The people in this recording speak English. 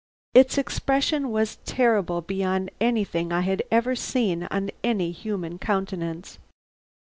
Its expression was terrible beyond anything I had ever seen on any human countenance."